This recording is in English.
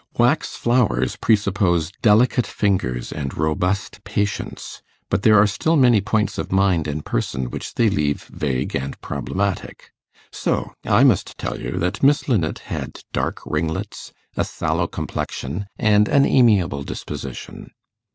Wax flowers presuppose delicate fingers and robust patience, but there are still many points of mind and person which they leave vague and problematic; so I must tell you that Miss Linnet had dark ringlets, a sallow complexion, and an amiable disposition.